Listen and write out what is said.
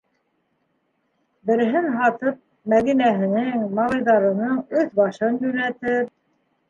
Береһен һатып, Мәҙинәһенең, малайҙарының өҫ-башын йүнәтер.